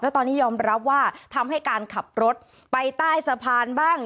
ตอนนี้ยอมรับว่าทำให้การขับรถไปใต้สะพานบ้าง